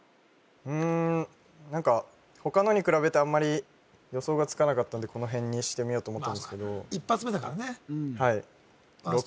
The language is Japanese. うん何か他のに比べてあんまり予想がつかなかったんでこのへんにしてみようと思ったんですけど一発目だからね